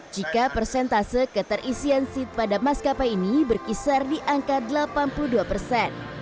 jika persentase keterisian seat pada maskapai ini berkisar di angka delapan puluh dua persen